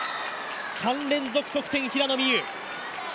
３連続得点、平野美宇。